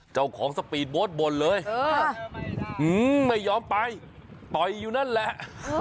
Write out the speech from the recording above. สปีดโบ๊ทบ่นเลยไม่ยอมไปต่อยอยู่นั่นแหละ